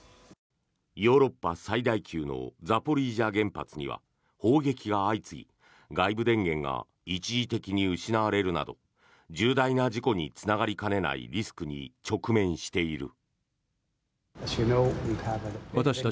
ヨーロッパ最大級のザポリージャ原発には砲撃が相次ぎ外部電源が一時的に失われるなど重大な事故につながりかねないリスクに直面している。